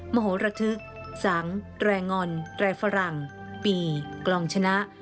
มโหระทึกสังแรงอนแรงฝรั่งปีกลองชนะ